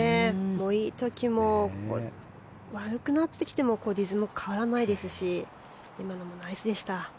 いい時も悪くなってきてもリズム、変わらないですし今のもナイスでした。